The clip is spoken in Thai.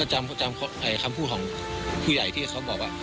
เออแต่ประจำพูดของผู้ใหญ่ที่เค้าบอกว่า